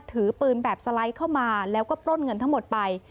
ถือปืนแบบสไลด์เข้ามาแล้วก็ปล้นเงินทั้งหมดไป